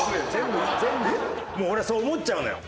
もう俺はそう思っちゃうのよ。